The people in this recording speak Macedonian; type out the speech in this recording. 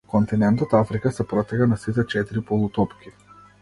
Континентот Африка се протега на сите четири полутопки.